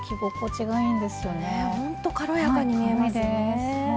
ほんと軽やかに見えますよね。